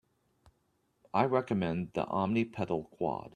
I recommend the Omni pedal Quad.